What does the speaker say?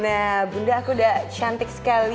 nah bunda aku udah cantik sekali